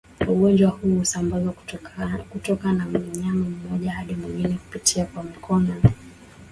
Ugonjwa huu husambazwa kutoka kwa mnyama mmoja hadi mwingine kupitia kwa mikono iliyoambukizwa